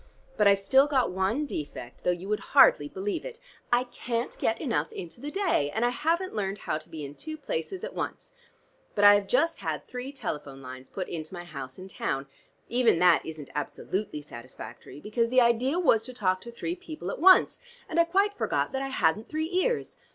But I've still got one defect, though you would hardly believe it: I can't get enough into the day, and I haven't learned how to be in two places at once. But I have just had three telephone lines put into my house in town. Even that isn't absolutely satisfactory, because the idea was to talk to three people at once, and I quite forgot that I hadn't three ears.